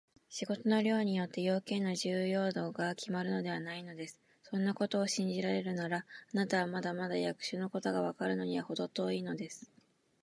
仕事の量によって、用件の重要度がきまるのではないのです。そんなことを信じられるなら、あなたはまだまだ役所のことがわかるのにはほど遠いのです。